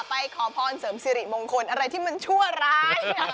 ขอพรเสริมสิริมงคลอะไรที่มันชั่วร้าย